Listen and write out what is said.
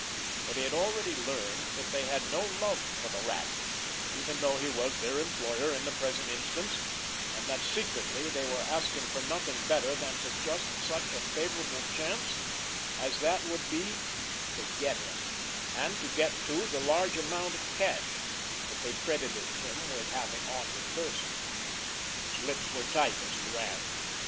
But he had already learned that they had no love for the Rat, even though he was their employer in the present instance, and that secretly they were asking for nothing better than just such a favorable chance as that would be to "get" him, and to get, too, the large amount of cash that they credited him with having on his person. His lips were tight, as he ran.